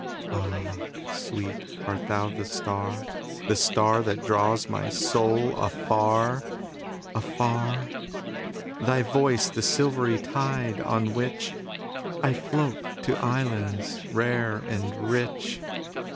Ah, sweet, art thou the star, the starThat draws my soul afar, afar? Thy voice the silvery tide on whichI float to islands rare and rich?